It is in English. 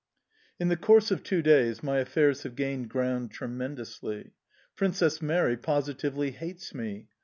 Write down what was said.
IN the course of two days my affairs have gained ground tremendously. Princess Mary positively hates me.